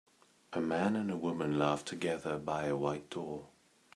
A man and a woman laugh together by a white door.